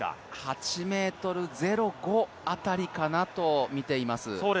８ｍ０５あたりかなとみています。